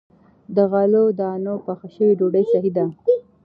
د غلو- دانو پخه شوې ډوډۍ صحي ده.